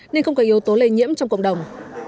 nên không có yếu tố lây nhiễm trong cộng đồng